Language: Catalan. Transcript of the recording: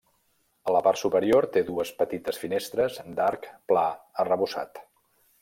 A la part superior té dues petites finestres d'arc pla arrebossat.